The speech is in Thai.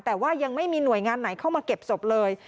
แต่ว่ายังไม่มีหน่วยงานไหนเข้ามาเก็บศพเลย